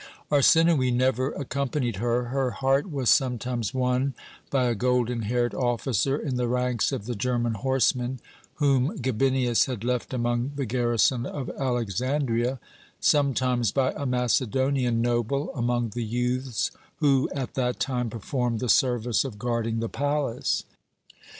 Arsinoë never accompanied her; her heart was sometimes won by a golden haired officer in the ranks of the German horsemen whom Gabinius had left among the garrison of Alexandria, sometimes by a Macedonian noble among the youths who, at that time, performed the service of guarding the palace.